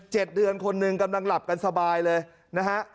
เดือนคนหนึ่งกำลังหลับกันสบายเลยนะฮะ